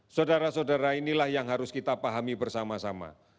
saudara saudara inilah yang harus kita pahami bersama sama